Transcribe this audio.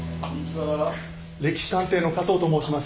「歴史探偵」の加藤と申します。